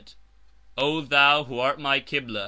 O thou who art my Ḳibla!